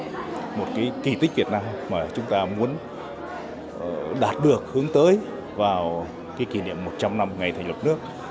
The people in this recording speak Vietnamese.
cái kỳ tích việt nam mà chúng ta muốn đạt được hướng tới vào cái kỷ niệm một trăm linh năm ngày thành lập nước